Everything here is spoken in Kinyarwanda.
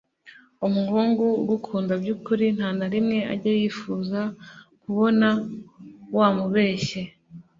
Umuhungu ugukunda by'ukuri nta na rimwe ajya yifuza kubona wamubeshye .